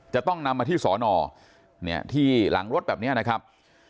จะต้องนำมาที่สอนอที่หลังรถแบบนี้นะครับ